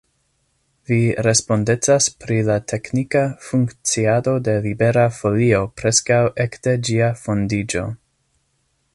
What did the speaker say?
Vi respondecas pri la teknika funkciado de Libera Folio preskaŭ ekde ĝia fondiĝo.